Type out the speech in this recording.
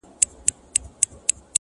ژوند څه دی پيل يې پر تا دی او پر تا ختم.